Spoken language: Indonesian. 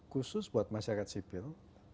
khusus buat masyarakat sipil